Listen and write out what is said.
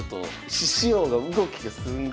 獅子王が動きがすんごい。